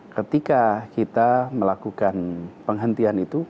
ketika kita melakukan penghentian itu